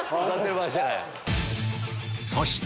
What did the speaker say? そして